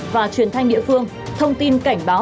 và truyền thanh địa phương thông tin cảnh báo